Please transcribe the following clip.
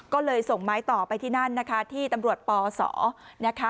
ก็เลยส่งไม้ต่อไปที่นั่นนะคะที่ตำรวจปศนะคะ